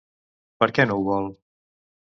Per què no ho vol?